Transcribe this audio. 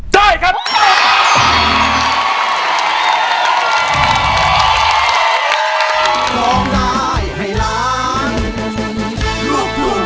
ด้วยความจำเป็นว่านะครับ